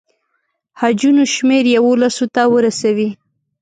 حجونو شمېر یوولسو ته ورسوي.